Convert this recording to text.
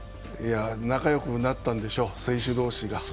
仲良くなったんでしょう、選手同士が。